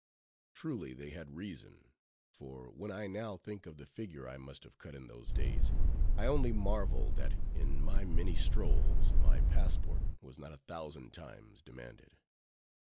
Truly, they had reason: for when I now think of the figure I must have cut in those days, I only marvel that, in my many strolls, my passport was not a thousand times demanded.